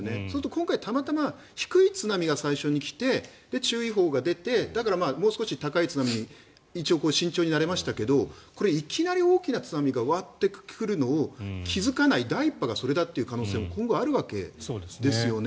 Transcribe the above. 今回、たまたま低い津波が最初に来て注意報が出てだからもう少し高い津波慎重になれましたがこれ、いきなり大きな津波が来るのを気付かない第１波がそれだという可能性も今後あるわけですよね。